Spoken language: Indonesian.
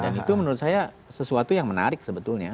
dan itu menurut saya sesuatu yang menarik sebetulnya